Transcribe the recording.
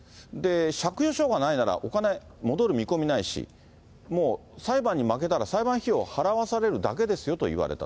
借用書がないなら、お金戻る見込みないし、もう裁判に負けたら、裁判費用を払わされるだけですよと言われた。